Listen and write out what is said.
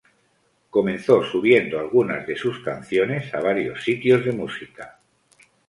Comenzó subiendo algunas de sus canciones a varios sitios de música.